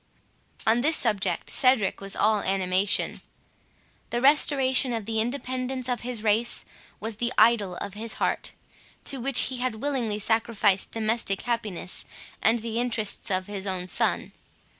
On this subject Cedric was all animation. The restoration of the independence of his race was the idol of his heart, to which he had willingly sacrificed domestic happiness and the interests of his own son.